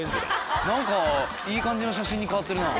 何かいい感じの写真に変わってるな。